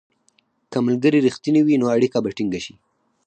که ملګري رښتیني وي، نو اړیکه به ټینګه شي.